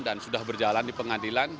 dan sudah berjalan di pengadilan